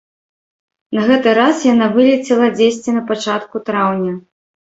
На гэты раз яна вылецела дзесьці на пачатку траўня.